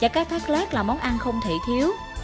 cá thác lát là món ăn không thể thiếu